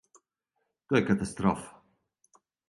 То је катастрофа.